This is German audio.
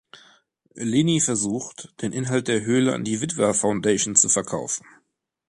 Lini versucht, den Inhalt der Höhle an die Wittwar Foundation zu verkaufen.